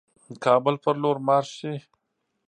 کابل پر لور مارش شي.